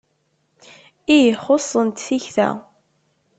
Ih, xuṣṣent tikta.